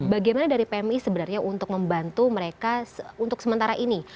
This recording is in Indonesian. bagaimana dari pmi sebenarnya untuk membantu mereka untuk sementara ini